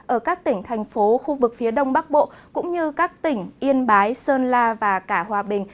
ở các tỉnh thành phố khu vực phía đông bắc bộ cũng như các tỉnh yên bái sơn la và cả hòa bình